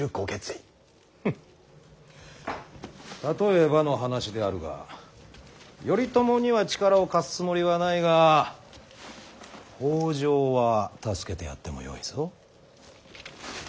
例えばの話であるが頼朝には力を貸すつもりはないが北条は助けてやってもよいぞ。